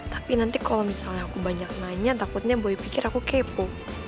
tapi nanti kalau misalnya aku banyak nanya takutnya boy pikir aku kepo